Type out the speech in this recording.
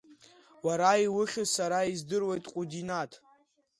Уара иухьыз сара издыруеит, Ҟәыдинаҭ!